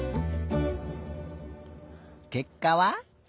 けっかは。